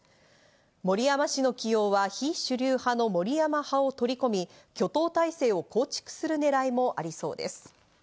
森山氏の起用は非主流派の森山派を取り込み、挙党態勢を構築するねらいもありそうです。